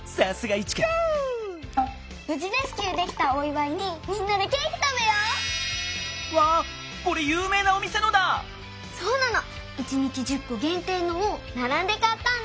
１にち１０こげんていのをならんでかったんだ。